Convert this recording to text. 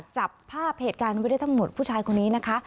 จับภาพเหตุการณ์ไว้ได้ทั้งหมดผู้ชายคนนี้นะคะ